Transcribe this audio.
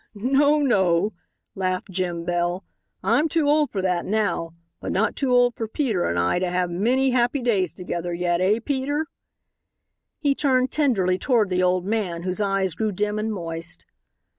"No, no," laughed Jim Bell; "I'm too old for that now. But not too old for Peter and I to have many happy days together yet, eh, Peter?" He turned tenderly toward the old man whose eyes grew dim and moist.